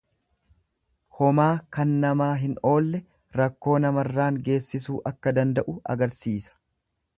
Homaa kan namaa hin oolle rakkoo namarraan geessisuu akka danda'u agarsiisa.